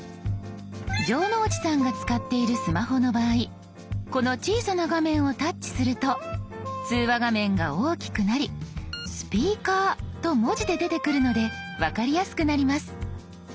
城之内さんが使っているスマホの場合この小さな画面をタッチすると通話画面が大きくなり「スピーカー」と文字で出てくるので分かりやすくなります。